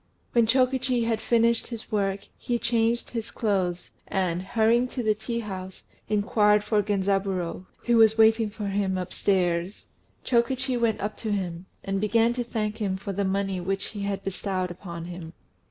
When Chokichi had finished his work, he changed his clothes, and, hurrying to the tea house, inquired for Genzaburô, who was waiting for him upstairs. Chokichi went up to him, and began to thank him for the money which he had bestowed upon him.